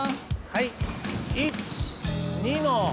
はい。